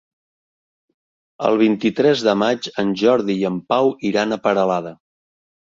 El vint-i-tres de maig en Jordi i en Pau iran a Peralada.